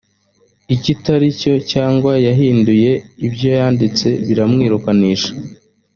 ikitari cyo cyangwa yahinduye ibyo yanditse biramwirukanisha